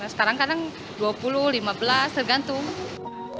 sekarang kadang dua puluh lima belas tergantung